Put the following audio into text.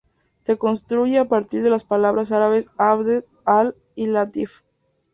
Se construye a partir de las palabras árabes Abd, al- y Latif.